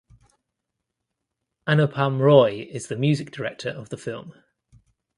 Anupam Roy is the music director of the film.